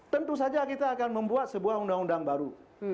tentu saja kita akan membuat sebuah undang undang baru